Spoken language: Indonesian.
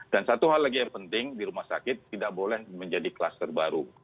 dan satu hal lagi yang penting di rumah sakit tidak boleh menjadi kluster baru